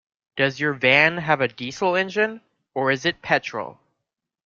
Does your van have a diesel engine, or is it petrol?